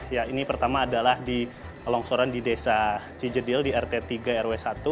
jadi delapan orang ini sudah diberi langsoran di desa cijedil di rt tiga rw satu